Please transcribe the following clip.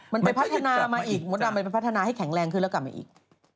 มันไปพัฒนามาอีกมดดำมันไปพัฒนาให้แข็งแรงขึ้นแล้วกลับมาอีก